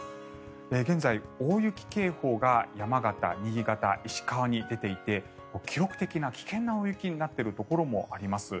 現在、大雪警報が山形、新潟、石川に出ていて記録的な危険な大雪になっているところもあります。